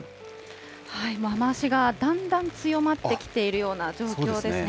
雨足がだんだん強まってきているような状況ですね。